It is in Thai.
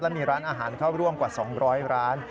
มีร้านอาหารเข้าร่วมกว่า๒๐๐ร้าน